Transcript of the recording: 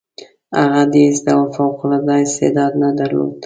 هغه د هیڅ ډول فوق العاده استعداد نه درلود.